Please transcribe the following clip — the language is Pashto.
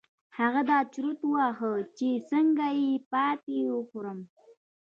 هغه دا چورت واهه چې څنګه يې ماتې وخوړه.